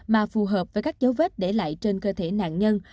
mà phù hợp với các dấu vết để lại trên cơ thể nạn nhân